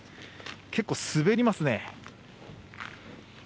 結構、滑りますね。